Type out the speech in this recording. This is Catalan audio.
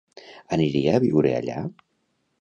Aniria a viure allà?